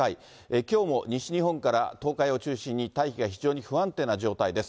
きょうも西日本から東海を中心に大気が非常に不安定な状態です。